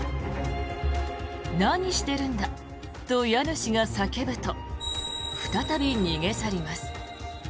何してるんだと家主が叫ぶと再び逃げ去ります。